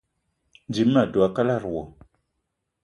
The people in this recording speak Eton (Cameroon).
Dím ma dwé a kalada wo